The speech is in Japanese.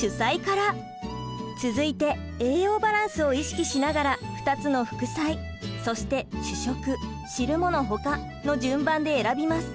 続いて栄養バランスを意識しながら２つの「副菜」そして「主食」「汁物ほか」の順番で選びます。